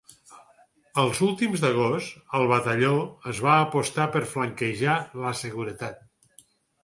A últims d"agost, el batalló es va apostar per flanquejar la seguretat.